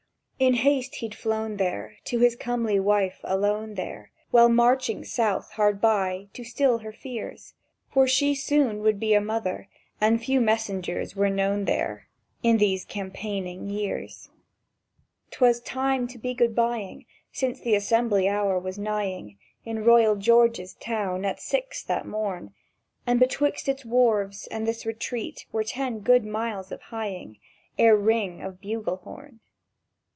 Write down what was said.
In haste he'd flown there To his comely wife alone there, While marching south hard by, to still her fears, For she soon would be a mother, and few messengers were known there In these campaigning years. 'Twas time to be Good bying, Since the assembly hour was nighing In royal George's town at six that morn; And betwixt its wharves and this retreat were ten good miles of hieing Ere ring of bugle horn.